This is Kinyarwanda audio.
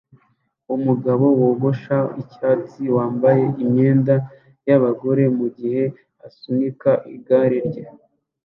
umugabo wogosha icyatsi wambaye imyenda yabagore mugihe asunika igare rye